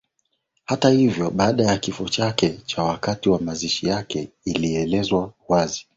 Hata hivyo baada ya kifo chake na wakati wa mazishi yake ilielezwa wazi